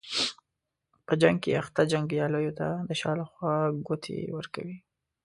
په جنګ کې اخته جنګیالیو ته د شا له خوا ګوتې ورکوي.